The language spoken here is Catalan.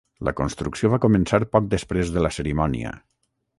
La construcció va començar poc després de la cerimònia.